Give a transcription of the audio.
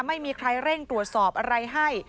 ไม่มีใครเร่งตรวจสอบอะไรให้